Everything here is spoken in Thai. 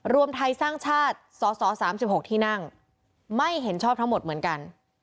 รวมไทยสร้างชาติสส๓๖ที่นั่งไม่เห็นชอบทั้งหมดเหมือนกัน